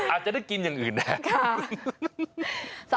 อาจจะได้กินอย่างอื่นแน่